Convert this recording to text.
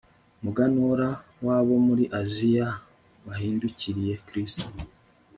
muganura w abo muri Asiya bahindukiriye Kristo